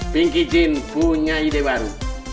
pinky jun punya ide baru